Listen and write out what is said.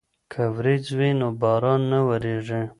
که وریځ وي نو باران نه وریږي.